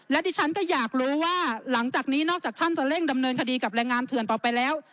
และดิฉันก็อยากรู้ว่าหลังจากนี้นอกจากท่านจะเร่งดำเนินคดีกับแรงงานเถื่อนต่อไปแล้ว